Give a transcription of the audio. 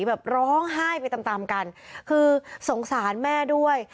แบบร้องไห้ไปตามตามกันคือสงสารแม่ด้วย